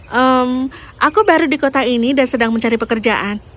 hmm aku baru di kota ini dan sedang mencari pekerjaan